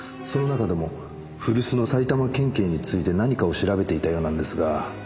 その中でも古巣の埼玉県警について何かを調べていたようなんですが。